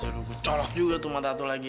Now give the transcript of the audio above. eh jodoh gue colok juga tuh mata aku lagi